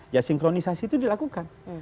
ya sinkronisasi itu dilakukan